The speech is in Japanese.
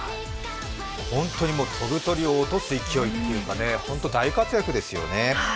本当に飛ぶ鳥を落とす勢いというか大活躍ですよね。